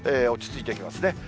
落ち着いてきますね。